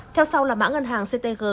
theo sau là mã ngân hàng ctg